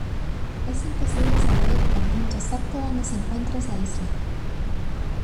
es imposible saber el punto exacto donde se encuentra esa isla.